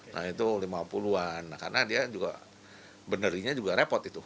nah itu lima puluh an karena dia juga benerinya juga repot itu